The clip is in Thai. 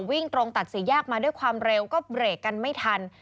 วิ่งตรงตัดสี่แยกมาด้วยความเร็วก็เบรกกันไม่ทัน